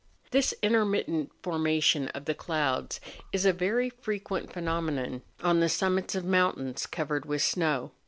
This intermittent formation of the clouds is a very frequent pheno¬ menon on the summits of mountains covered with snow.